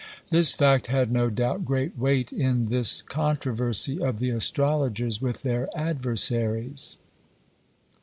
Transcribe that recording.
This fact had, no doubt, great weight in this controversy of the astrologers with their adversaries.